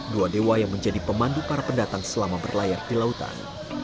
dua dewa yang menjadi pemandu para pendatang selama berlayar di lautan